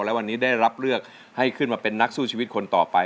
และวันนี้ได้รับเลือกให้ขึ้นมาเป็นนักสู้ชีวิตคนต่อไป